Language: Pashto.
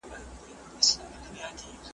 په څارل یې غلیمان په سمه غر کي .